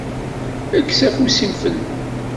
Kkes afus-im fell-i.